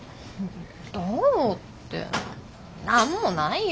どうって何もないよ。